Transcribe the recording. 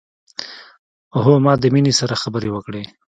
هو ما د مينې سره خبرې وکړې